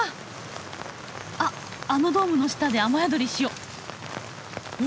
あっあのドームの下で雨宿りしよう。